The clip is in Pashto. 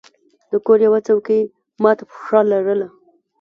د کور یوه څوکۍ مات پښه لرله.